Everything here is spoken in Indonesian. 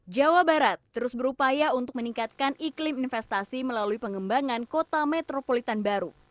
jawa barat terus berupaya untuk meningkatkan iklim investasi melalui pengembangan kota metropolitan baru